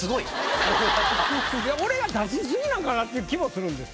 俺が出し過ぎなんかなっていう気もするんです。